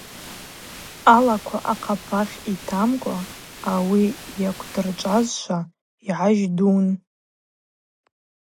Алаква, ахъапахь йтамкӏва, ауи йыквдырчӏвазшва йгьажьдууын.